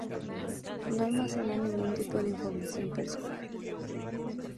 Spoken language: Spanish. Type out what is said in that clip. No almacenan ningún tipo de información personal.